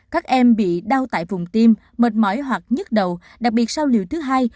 các em bị đau tại vùng tim mệt mỏi hoặc nhức đầu đặc biệt sau liều thứ hai